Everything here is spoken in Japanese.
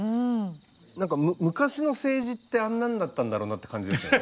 昔の政治ってあんなんだったんだろうなって感じですよね。